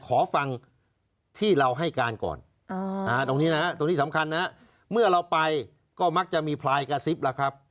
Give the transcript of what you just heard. ขอฟังที่เราให้การก่อนตรงนี้นะฮะตรงนี้สำคัญนะฮะเมื่อเราไปก็มักจะมีพลายกระซิบล่ะครับ